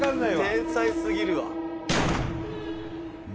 天才すぎるわ。